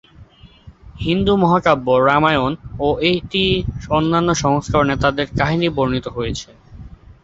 হিন্দু মহাকাব্য,"রামায়ণ" ও এটির অন্যান্য সংস্করণে তাঁদের কাহিনী বর্ণিত হয়েছে।